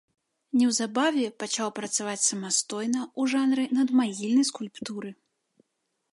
Неўзабаве пачаў працаваць самастойна ў жанры надмагільнай скульптуры.